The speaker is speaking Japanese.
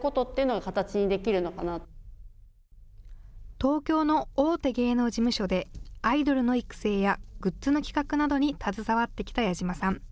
東京の大手芸能事務所でアイドルの育成やグッズの企画などに携わってきた矢島さん。